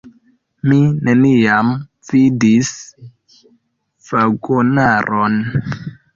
Mi neniam vidis vagonaron.